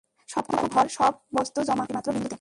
সবটুকু ভর, সব বস্তু জমা হয় একটিমাত্র বিন্দুতে।